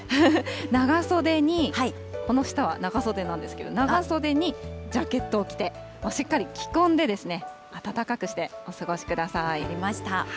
長袖に、この下は長袖なんですけど、長袖にジャケットを着て、もうしっかり着込んで、暖かくしてお過ごしください。